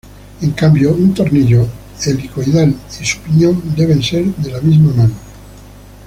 En cambio, un tornillo helicoidal y su piñón deben ser de la misma mano.